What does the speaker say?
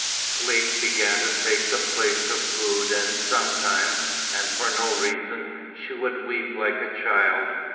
Sleep began to take the place of food and sometimes, and for no reason, she would weep like a child.